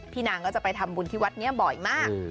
นางก็จะไปทำบุญที่วัดนี้บ่อยมาก